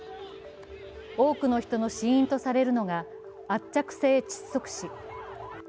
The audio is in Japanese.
多くの人の死因とされるのが圧着性窒息死。